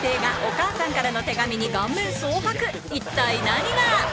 一体何が？